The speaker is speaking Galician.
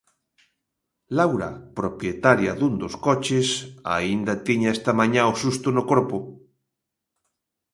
Laura, propietaria dun dos coches, aínda tiña esta mañá o susto no corpo.